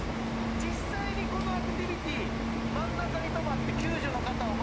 実際にこのアクティビティ真ん中に止まって。